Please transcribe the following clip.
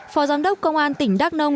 phó giám đốc công an tỉnh đắk nông